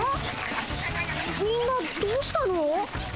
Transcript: みんなどうしたの？